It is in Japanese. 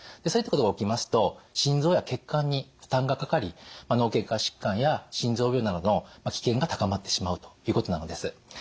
そういったことが起きますと心臓や血管に負担がかかり脳血管疾患や心臓病などの危険が高まってしまうということなのです。